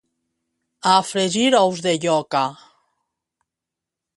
A fregir ous de lloca!